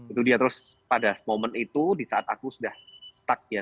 itu dia terus pada momen itu di saat aku sudah stuck ya